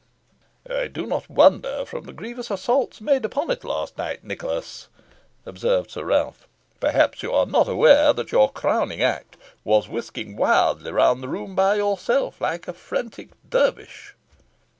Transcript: "I do not wonder, from the grievous assaults made upon it last night, Nicholas," observed Sir Ralph. "Perhaps you are not aware that your crowning act was whisking wildly round the room by yourself, like a frantic dervish."